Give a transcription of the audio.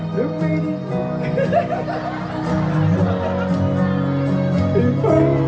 ฉันที่มีกลุ่มพิมพ์ไว้